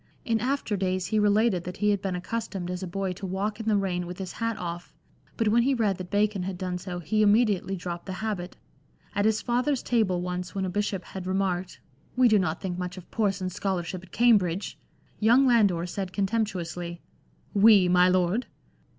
In after days he related that he had been accustomed as a boy to walk in the rain with his hat off; but when he read that Bacon had done so he immediately dropped the habit. At his father's table once when a bishop had remarked, "We do not think much of Person's scholarship at Cambridge," young Landor said contemptuously, " We, my Lord?"